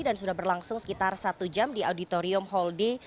dan sudah berlangsung sekitar satu jam di auditorium holde